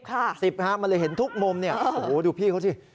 สิบฮะมันเลยเห็นทุกมุมเนี่ยโอ้โหดูพี่เขาสิ